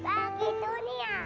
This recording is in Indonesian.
dan menjadi orang